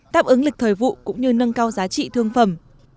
táp ứng lịch thời vụ cũng như nâng cao giá trị thương phẩm